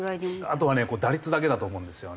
あとはね打率だけだと思うんですよね。